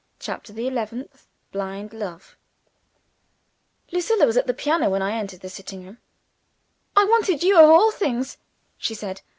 CHAPTER THE ELEVENTH Blind Love LUCILLA was at the piano when I entered the sitting room. "I wanted you of all things," she said.